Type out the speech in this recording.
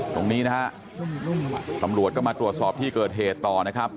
ตรงนี้นะฮะตำรวจก็มาตรวจสอบที่เกิดเหตุต่อนะครับ